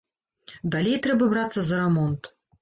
Далей трэба брацца за рамонт.